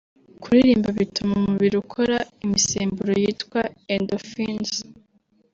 Kuririmba bituma umubiri ukora imisemburo yitwa endorphins